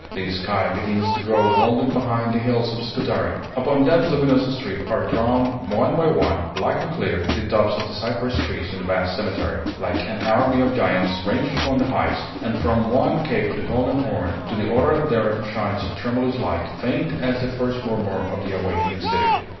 The sky begins to grow golden behind the hills of Scutari. Upon that luminous strip are drawn, one by one, black and clear, the tops of the cypress trees in the vast cemetery, like an army of giants ranged upon the heights; and from one cape of the Golden Horn to the other there shines a tremulous light, faint as the first murmur of the awakening city.